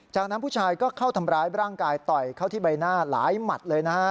จากนั้นผู้ชายก็เข้าทำร้ายร่างกายต่อยเข้าที่ใบหน้าหลายหมัดเลยนะฮะ